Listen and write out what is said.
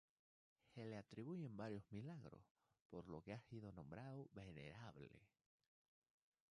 Se le atribuyen varios milagros, por lo que ha sido nombrado Venerable.